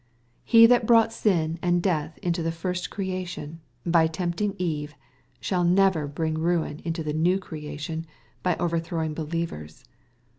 He that brought sin and deatjjjnto the first creation, hy tempting Ere, shall never bring ruin on the new creation, by over throwing believers.